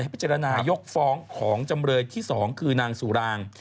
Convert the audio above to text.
พิจารณายกฟ้องของจำเลยที่๒คือนางสุราง